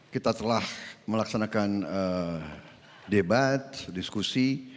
kita telah melaksanakan debat diskusi